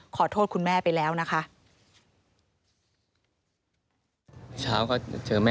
ขอโทษคุณแม่ไปแล้วนะคะ